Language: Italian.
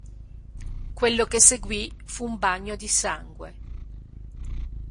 Quello che seguì fu un bagno di sangue.